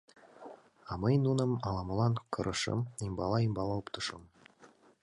— А мый нуным ала-молан кырышым, ӱмбала-ӱмбала оптышым...